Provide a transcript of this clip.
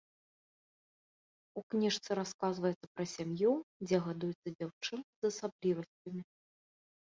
У кніжцы расказваецца пра сям'ю, дзе гадуецца дзяўчынка з асаблівасцямі.